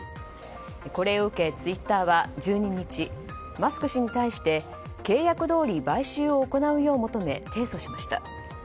これを受けツイッターは１２日、マスク氏に対して契約どおり買収を行うよう求め提訴しました。